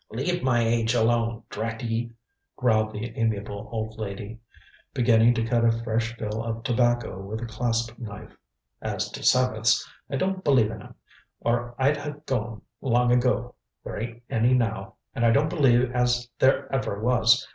"Leave my age alone, drat ye!" growled the amiable old lady, beginning to cut a fresh fill of tobacco with a clasp knife. "As to Sabbaths, I don't believe in 'em, or I'd ha' gone long ago. There ain't any now, and I don't believe as there ever was.